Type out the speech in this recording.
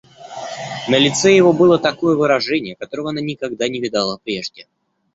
На лице его было такое выражение, которого она никогда не видала прежде.